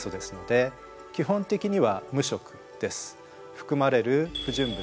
含まれる不純物